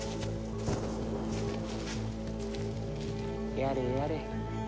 やれやれ。